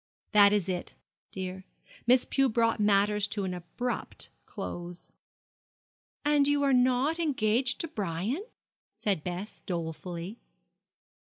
'That is it, dear. Miss Pew brought matters to an abrupt close.' 'And you are not engaged to Brian?' said Bess, dolefully.